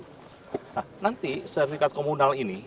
nah nanti sertifikat komunal ini